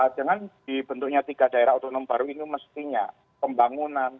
dengan dibentuknya tiga daerah otonom baru ini mestinya pembangunan